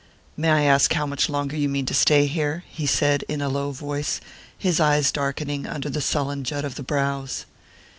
"May I ask how much longer you mean to stay here?" he said in a low voice, his eyes darkening under the sullen jut of the brows.